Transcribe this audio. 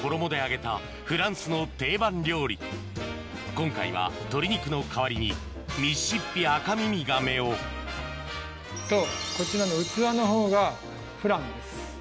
今回は鶏肉の代わりにミシシッピアカミミガメをこちらの器のほうがフランです。